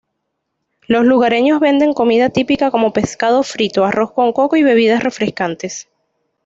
Los lugareños venden comida típica como pescado frito, arroz con coco y bebidas refrescantes.